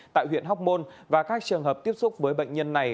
tại huyện hóc môn và các trường hợp tiếp xúc với bệnh nhân này